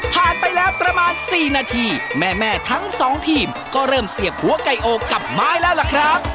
ผ่านไปแล้วประมาณ๔นาทีแม่ทั้งสองทีมก็เริ่มเสียบหัวไก่อกกับไม้แล้วล่ะครับ